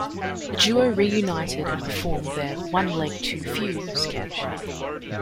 The duo reunited and performed their "One Leg Too Few" sketch.